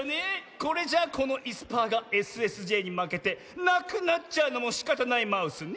これじゃあこのいすパーがＳＳＪにまけてなくなっちゃうのもしかたないマウスね。